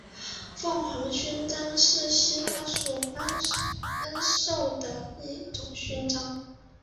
凤凰勋章是希腊所颁授的一种勋章。